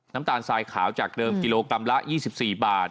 น้ำตาลทรายขาวจากเดิมกิโลกรัมละ๒๔บาท